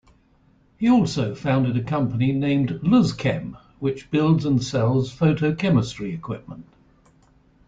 He also founded a company named Luzchem which builds and sells photochemistry equipment.